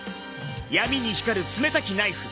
闇に光る冷たきナイフ。